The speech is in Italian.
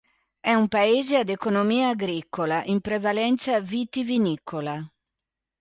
È un paese ad economia agricola, in prevalenza vitivinicola.